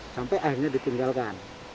sampai akhirnya ditinggalkan